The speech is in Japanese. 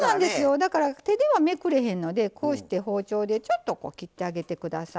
だから手ではめくれへんのでこうして包丁でちょっとこう切ってあげてください。